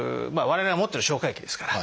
我々が持ってる消化液ですから。